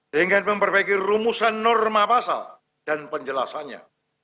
dengan memperbaiki rumusan norma pasal dan penjelasannya